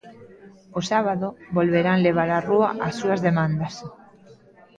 O sábado volverán levar á rúa as súas demandas.